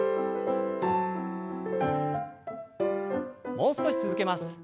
もう少し続けます。